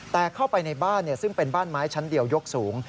แต่เข้าไปในบ้านซึ่งเป็นบ้านไม้ชั้นเดียวยกสูง